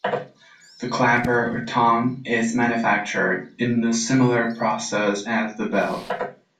The clapper or tongue is manufactured in a similar process as the bell.